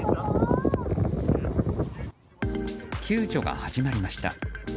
救助が始まりました。